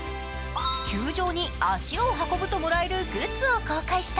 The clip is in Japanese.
球場に足を運ぶともらえるグッズを公開した。